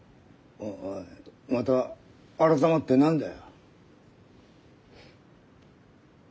おいまた改まって何だよ？